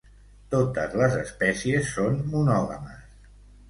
Totes les espècies són monògames.